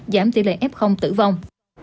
giảm tỉ lệ f tử vong